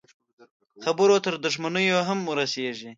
خبره تر دښمنيو هم رسېږي.